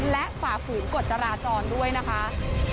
และฝ่าฝืนกฎจราจรด้วยนะคะ